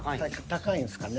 高いんすかね。